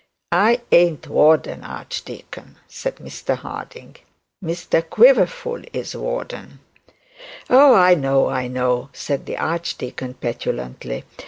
'I an't warden, archdeacon,' said Mr Harding. 'Mr Quiverful is warden.' Oh, I know, I know,' said the archdeacon, petulantly.